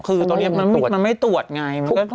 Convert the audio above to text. คือตอนนี้มันไม่ตรวจไงมันก็ต้องเจอ